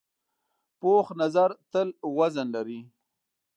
پوخ نظر تل وزن لري